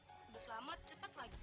udah selamat cepet lagi